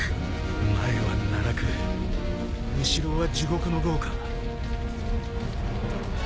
前は奈落後ろは地獄の業火。